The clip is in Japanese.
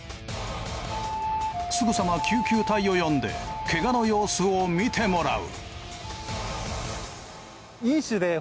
すぐさま救急隊を呼んでケガの様子を見てもらう。